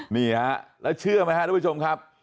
นี่ฮะแล้วเชื่อไหมครับทุกผู้ชมครับ